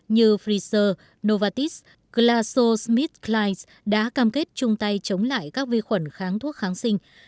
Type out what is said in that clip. như pfizer novartis glaxosmithkline đã cam kết chung tay chống lại các vi khuẩn kháng thuốc kháng sinh